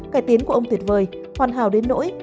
cải tiến của ông tuyệt vời hoàn hảo đến nỗi